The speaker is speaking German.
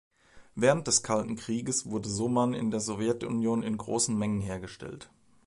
Während des Kalten Krieges wurde Soman in der Sowjetunion in großen Mengen hergestellt.